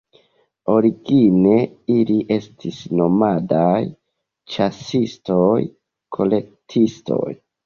Origine, ili estis nomadaj, ĉasistoj-kolektistoj.